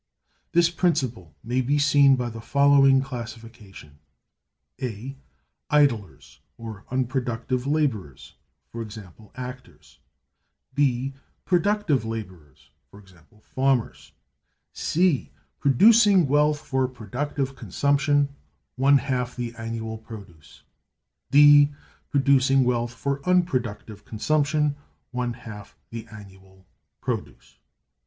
This principle may be seen by the following classification: (A) Idlers; or unproductive laborers—e.g., actors. (B) Productive laborers—e.g., farmers. (C) Producing wealth for productive consumption, one half the annual produce. (D) Producing wealth for unproductive consumption (A), one half the annual produce.